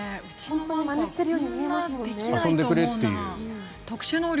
まねしているように見えますもんね。